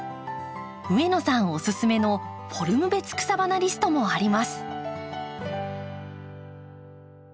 上野さんおすすめのフォルム別草花リストもあります。